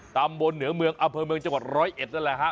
ตามบนเหนือเมืองอเภอเมืองจังหวัด๑๐๑นั่นแหละฮะ